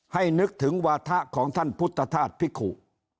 นึกถึงวาถะของท่านพุทธธาตุพิกุ